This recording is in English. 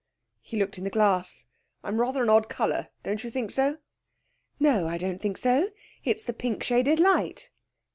He looked in the glass. 'I'm rather an odd colour, don't you think so?' 'No; I don't think so. It's the pink shaded light.'